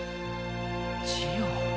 ジオ。